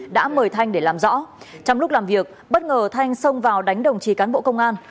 đã mời thanh để làm rõ trong lúc làm việc bất ngờ thanh xông vào đánh đồng chí cán bộ công an